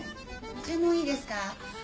注文いいですか？